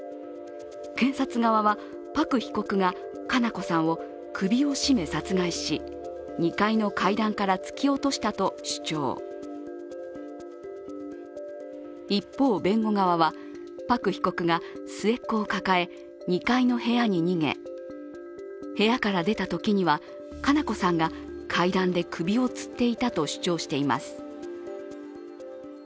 検察側は、パク被告が佳菜子さんを首を絞め殺害し２階の階段から突き落としたと主張一方、弁護側は、パク被告が末っ子を抱え２階の部屋に逃げ部屋から出たときには佳菜子さんが階段で首をつっていたと主張しています。